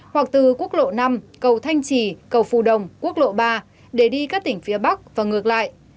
hoặc từ quốc lộ năm cầu thanh trì cầu phù đồng quốc lộ ba để đi các tỉnh phía bắc và ngược lại